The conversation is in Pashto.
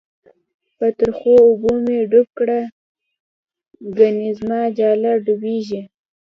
په ترخو اوبو می ډوب کړه، گڼی زماجاله ډوبیږی